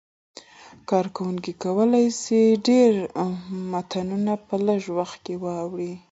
کاروونکي کولای شي ډېر متنونه په لږ وخت کې واړوي.